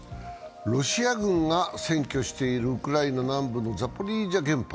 ロシア軍が占拠しているウクライナ南部のザポリージャ原発。